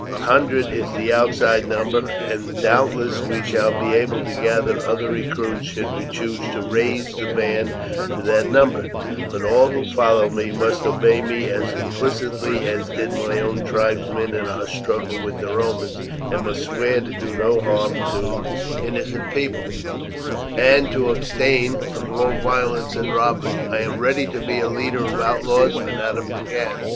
A hundred is the outside number, and doubtless we shall be able to gather other recruits should we choose to raise the band to that number; but all who follow me must obey me as implicitly as did my own tribesmen in our struggle with the Romans, and must swear to do no harm to innocent people, and to abstain from all violence and robbery. I am ready to be a leader of outlaws but not of brigands.